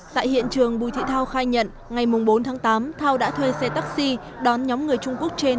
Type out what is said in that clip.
tại hiện trường bùi thị thao khai nhận ngày bốn tháng tám thao đã thuê xe taxi đón nhóm người trung quốc trên